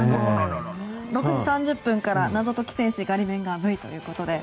６時３０分から「謎解き戦士！ガリベンガーＶ」ということで。